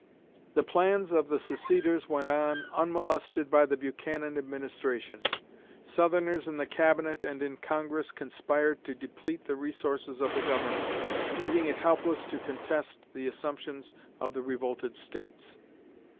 The plans of the seceders went on, unmolested by the Buchanan administration. Southerners in the Cabinet and in Congress conspired to deplete the resources of the Government, leaving it helpless to contest the assumptions of the revolted States.